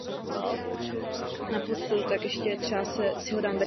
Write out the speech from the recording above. Tento dinosaurus žil v období spodní jury.